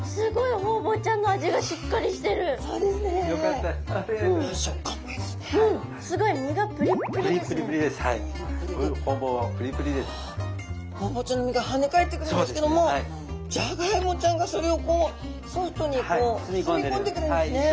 ホウボウちゃんの身が跳ね返ってくるんですけどもジャガイモちゃんがそれをこうソフトにこう包み込んでくれるんですね。